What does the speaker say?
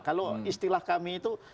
kalau istilah kami itu